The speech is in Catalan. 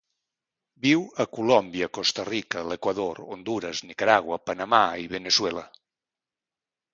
Viu a Colòmbia, Costa Rica, l'Equador, Hondures, Nicaragua, Panamà i Veneçuela.